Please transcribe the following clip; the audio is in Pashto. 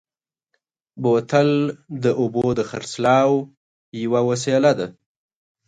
بوتل د اوبو د خرڅلاو یوه وسیله ده.